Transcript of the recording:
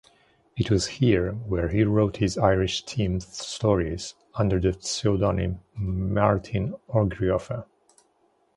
It was here where he wrote his Irish-themed stories under the pseudonym Mairtin O'Griofa.